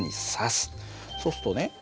そうするとね